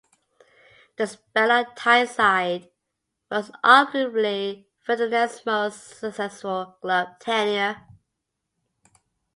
The spell on Tyneside was arguably Ferdinand's most successful club tenure.